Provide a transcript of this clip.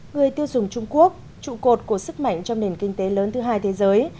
người tiêu dùng trung quốc trụ cột của sức mạnh trong nền kinh tế lớn thứ hai thế giới